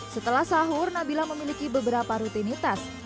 setelah sahur nabila memiliki beberapa rutinitas